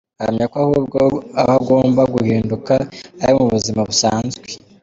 Ahamya ko ahubwo aho agomba guhinduka ari mu buzima busanzwe.